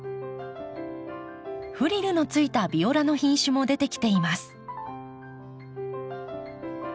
フリルのついたビオラの品種も出てきています。